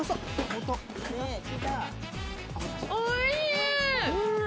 おいしい！